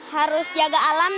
harus jaga alam